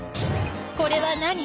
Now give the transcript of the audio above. これは何？